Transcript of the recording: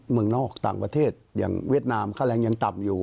เมืองนอกต่างประเทศอย่างเวียดนามค่าแรงยังต่ำอยู่